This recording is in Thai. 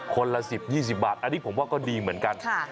ละ๑๐๒๐บาทอันนี้ผมว่าก็ดีเหมือนกัน